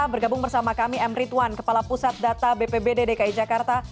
bergabung bersama kami m ritwan kepala pusat data bpbd dki jakarta